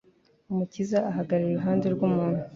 Umukiza ahagarara iruhande rw'umuntu,